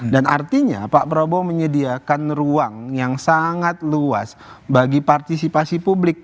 dan artinya pak prabowo menyediakan ruang yang sangat luas bagi partisipasi publik